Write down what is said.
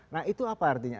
nah itu apa artinya